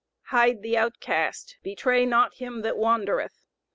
"Hide the outcast; bewray not him that wandereth."